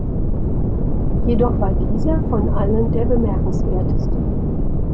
Jedoch war dieser von allen der bemerkenswerteste.